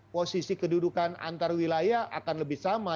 posisi kedudukan antar wilayah akan lebih sama